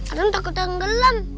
adam takut tenggelam